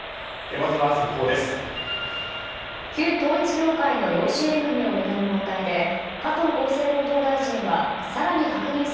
まずは、速報です。